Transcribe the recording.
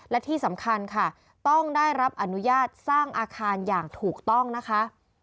และที่สำคัญค่ะต้องได้รับอนุญาตสร้างอาคารอย่างถูกต้องนะคะ